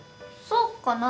そうかな。